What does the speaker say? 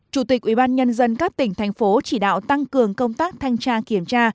chủ tịch ubnd các tỉnh thành phố chỉ đạo tăng cường công tác thanh tra kiểm tra